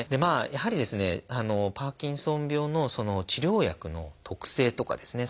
やはりですねパーキンソン病の治療薬の特性とかですね